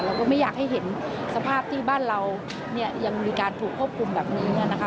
ก็ไม่อยากให้เห็นสภาพที่บ้านเราเนี่ยยังมีการถูกควบคุมแบบนี้นะคะ